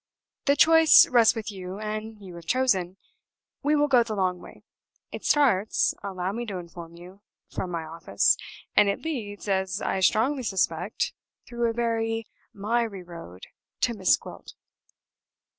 "The choice rests with you, and you have chosen. We will go the long way. It starts (allow me to inform you) from my office; and it leads (as I strongly suspect) through a very miry road to Miss Gwilt."